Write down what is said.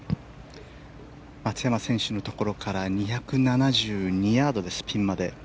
松山選手のところから２７２ヤードです、ピンまで。